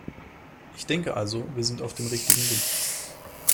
Ich denke also, wir sind auf dem richtigen Weg.